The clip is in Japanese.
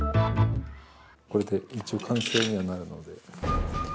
これで一応完成にはなるので。